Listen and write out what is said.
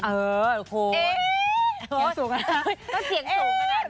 ต้องเสียงสูงขนาดนั้น